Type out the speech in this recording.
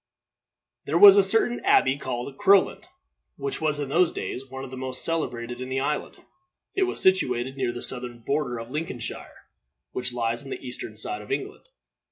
There was a certain abbey, called Crowland, which was in those days one of the most celebrated in the island. It was situated near the southern border of Lincolnshire, which lies on the eastern side of England.